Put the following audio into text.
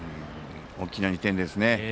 大きな２点ですね。